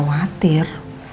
ya papa sih khawatir